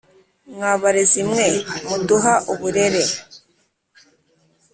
mwa barezi mwe muduha uburere